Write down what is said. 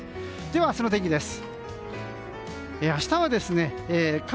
では、明日の天気です。